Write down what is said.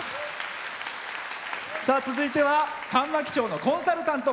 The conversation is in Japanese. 続いては上牧町のコンサルタント。